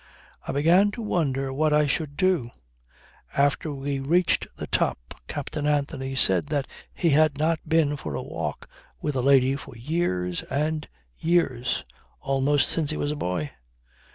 I began to wonder what I should do. After we reached the top Captain Anthony said that he had not been for a walk with a lady for years and years almost since he was a boy.